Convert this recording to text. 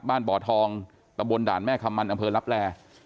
บ่อทองตะบนด่านแม่คำมันอำเภอลับแล